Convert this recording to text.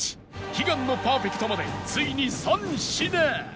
悲願のパーフェクトまでついに３品！